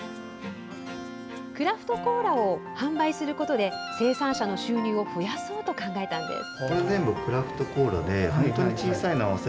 クラフトコーラを販売することで生産者の収入を増やそうと考えたんです。